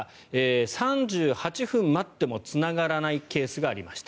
３８分待ってもつながらないケースがありました。